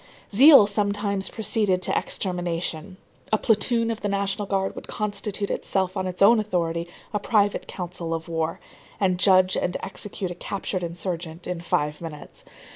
Zeal sometimes proceeded to extermination. A platoon of the National Guard would constitute itself on its own authority a private council of war, and judge and execute a captured insurgent in five minutes.